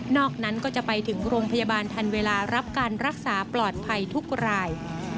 นั้นก็จะไปถึงโรงพยาบาลทันเวลารับการรักษาปลอดภัยทุกราย